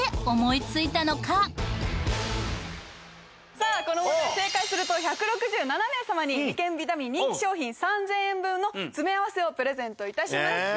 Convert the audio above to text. さあこの問題正解すると１６７名様に理研ビタミン人気商品３０００円分の詰め合わせをプレゼント致します。